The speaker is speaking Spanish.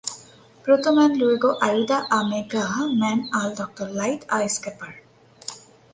Proto Man luego ayuda a Mega Man al Dr. Light a escapar.